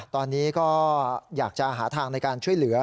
ตอนนี้ก็อยากจะหาทางในการช่วยเหลือ